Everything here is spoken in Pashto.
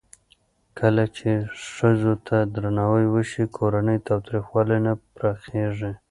کله چې ښځو ته درناوی وشي، کورنی تاوتریخوالی نه پراخېږي.